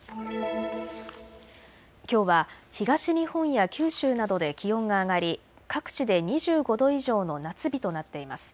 きょうは東日本や九州などで気温が上がり各地で２５度以上の夏日となっています。